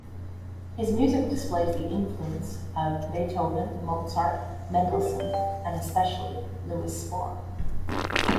His music displays the influence of Beethoven, Mozart, Mendelssohn and, especially, Louis Spohr.